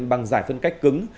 bằng giải phân cách cứng